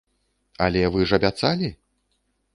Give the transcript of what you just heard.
Але вы ж абяцалі?